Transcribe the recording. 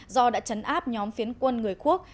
do đã chấn áp nhóm phiến quân người quốc